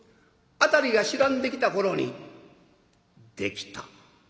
辺りが白んできた頃に「出来た。